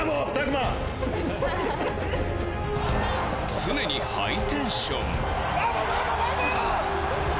常にハイテンション！